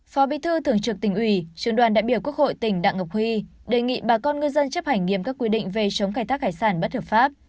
phó bí thư thường trực tỉnh ủy trường đoàn đại biểu quốc hội tỉnh đặng ngọc huy đề nghị bà con ngư dân chấp hành nghiêm các quy định về chống khai thác hải sản bất hợp pháp